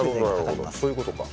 そういうことか。